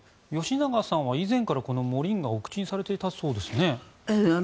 吉永さんは以前からこのモリンガをお口にされていたそうですね。